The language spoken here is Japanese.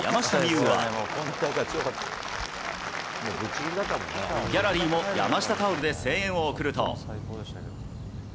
有は、ギャラリーも山下タオルで声援を送ると。